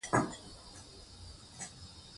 پښنونخوا يو ايالت دى